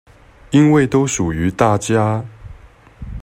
因為都屬於大家